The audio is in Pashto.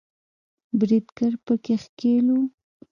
بریدګر په کې ښکیل وو